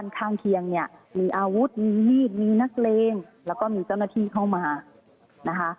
ที่มีนักเรงแล้วก็มีเจ้าหน้าที่เข้ามานะคะ